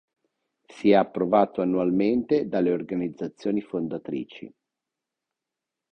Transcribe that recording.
Si è approvato annualmente dalle organizzazioni fondatrici.